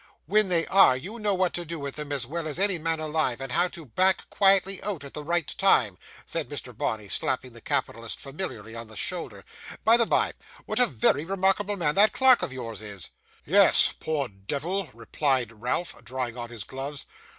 'When they are, you know what to do with them as well as any man alive, and how to back quietly out at the right time,' said Mr. Bonney, slapping the capitalist familiarly on the shoulder. 'By the bye, what a VERY remarkable man that clerk of yours is.' 'Yes, poor devil!' replied Ralph, drawing on his gloves.